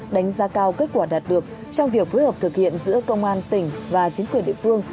đánh giá cao kết quả đạt được trong việc phối hợp thực hiện giữa công an tỉnh và chính quyền địa phương